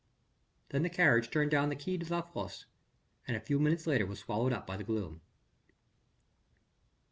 Then the carriage turned down the Quai de la Fosse and a few minutes later was swallowed up by the gloom.